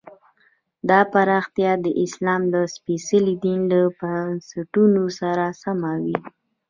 دا پراختیا د اسلام له سپېڅلي دین له بنسټونو سره سمه وي.